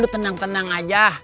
lo tenang tenang aja